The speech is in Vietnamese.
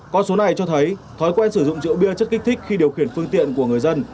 con số này cho thấy thói quen sử dụng rượu bia chất kích thích khi điều khiển phương tiện của người dân